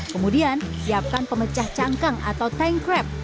kemudian siapkan pemecah cangkang atau tank crab